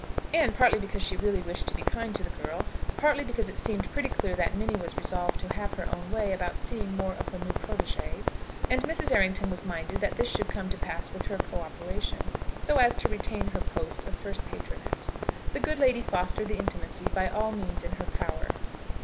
And partly because she really wished to be kind to the girl, partly because it seemed pretty clear that Minnie was resolved to have her own way about seeing more of her new protégée, and Mrs. Errington was minded that this should come to pass with her co operation, so as to retain her post of first patroness the good lady fostered the intimacy by all means in her power.